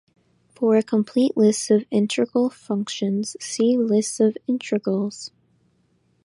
For a complete list of integral functions, see lists of integrals.